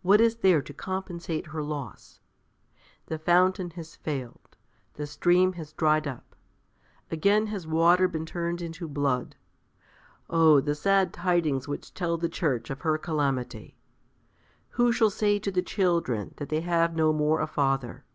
What is there to compensate her loss? The fountain has failed. The stream has dried up. Again has water been turned into blood20762076 Exod. vii. 17.. Oh! the sad tidings which tell the Church of her calamity! 511Who shall say to the children that they have no more a father?